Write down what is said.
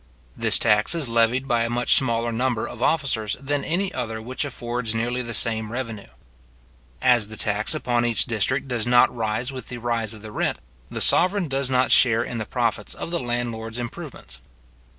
This tax is levied by a much smaller number of officers than any other which affords nearly the same revenue. As the tax upon each district does not rise with the rise of the rent, the sovereign does not share in the profits of the landlord's improvements.